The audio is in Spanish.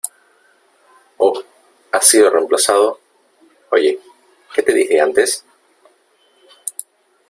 ¡ Oh !¿ has sido reemplazado ?¿ oye , qué te dije antes ?